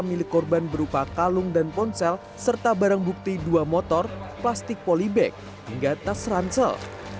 milik korban berupa kalung dan ponsel serta barang bukti dua motor plastik polybag hingga tas ransel